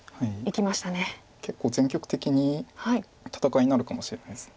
結構全局的に戦いになるかもしれないです。